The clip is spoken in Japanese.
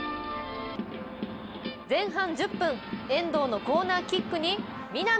前半１０分、遠藤のコーナーキックに南。